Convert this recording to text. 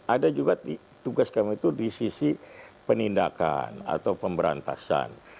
ada juga tugas kami itu di sisi penindakan atau pemberantasan